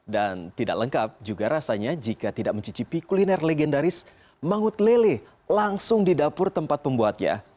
dan tidak lengkap juga rasanya jika tidak mencicipi kuliner legendaris mangut lele langsung di dapur tempat pembuatnya